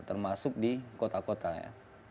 termasuk di kota kota ya